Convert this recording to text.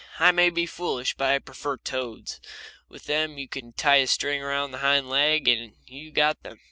I may be foolish, but I prefer toads. With them you can tie a string around the hind leg, and you have got them.